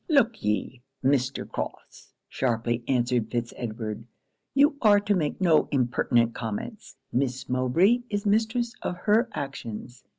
'Look ye, Mr. Crofts,' sharply answered Fitz Edward 'You are to make no impertinent comments. Miss Mowbray is mistress of her actions.